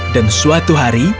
dan suatu hari